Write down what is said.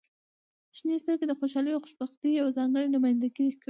• شنې سترګې د خوشحالۍ او خوشبختۍ یوه ځانګړې نمایندګي کوي.